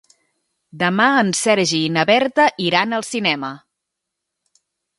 Demà en Sergi i na Berta iran al cinema.